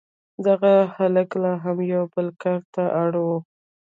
دغه هلک لا هم یو بل کار ته اړ و